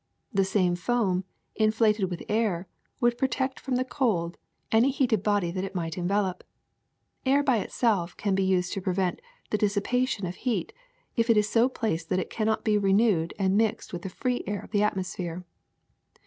The same foam, inflated with air, would protect from the cold any heated body that it might envelop. Air by itself can be used to prevent the dissipation of heat if it is so placed that it cannot be renewed and mix with the free air of the atmosphere.